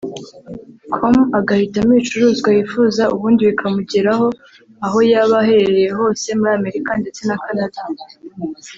com agahitamo ibicuruzwa yifuza ubundi bikamugeraho aho yaba ahereye hose muri America ndetse na Canada